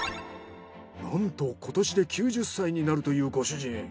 なんと今年で９０歳になるというご主人。